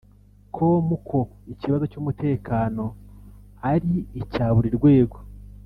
com ko ikibazo cy’umutekano ari icya buri rwego